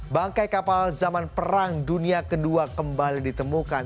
bangkai kapal zaman perang dunia ii kembali ditemukan